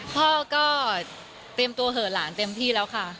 พ่อก็เตรียมตัวเหอะหลานเต็มที่แล้วค่ะ